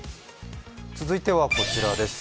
続いてはこちらです。